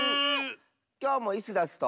きょうもイスダスと。